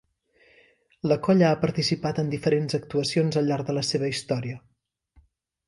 La colla ha participat en diferents actuacions al llarg de la seva història.